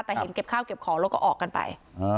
แต่เห็นเก็บข้าวเก็บของแล้วก็ออกกันไป